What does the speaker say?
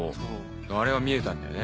あれが見えたんだよね。